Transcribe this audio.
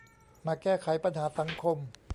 มาแก้ไขปัญหาสังคม